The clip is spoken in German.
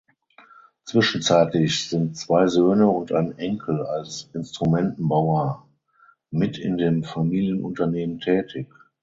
Zwischenzeitlich sind zwei Söhne und ein Enkel als Instrumentenbauer mit in dem Familienunternehmen tätig.